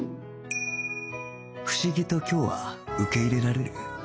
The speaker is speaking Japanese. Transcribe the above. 不思議と今日は受け入れられる